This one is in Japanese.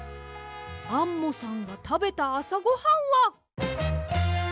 アンモさんがたべたあさごはんは。